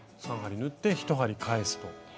３針縫って１針返すと。